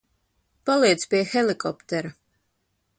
Paliec pie helikoptera.